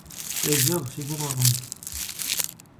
Къезэгъ си гугъэкъым.